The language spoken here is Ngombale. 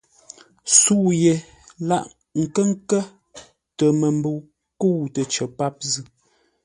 Sə̌u yé lâʼ nkə́-kə̂ tə məmbəu kə̂u təcər páp zʉ́.